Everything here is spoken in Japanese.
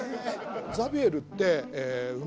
ザビエルって。